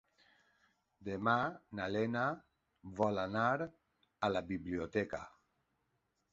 Demà na Lena vol anar a la biblioteca.